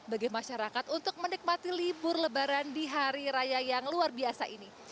bagi masyarakat untuk menikmati libur lebaran di hari raya yang luar biasa ini